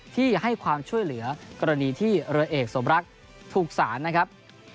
ที่ให้ความช่วยเหลือกรณีที่เรือเอกสมรักษ์ถูกสารนะครับ